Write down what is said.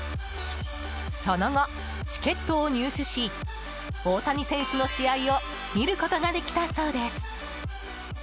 その後、チケットを入手し大谷選手の試合を見ることができたそうです。